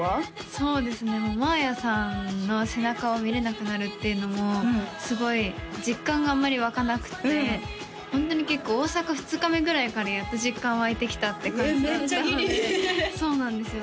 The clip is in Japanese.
そうですねまあやさんの背中を見れなくなるっていうのもすごい実感があんまり湧かなくてホントに結構大阪２日目ぐらいからやっと実感湧いてきたって感じだったのでめっちゃギリそうなんですよ